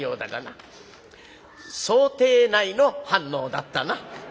想定内の反応だったな」。